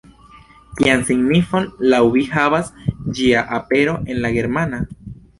Kian signifon laŭ vi havas ĝia apero en la germana?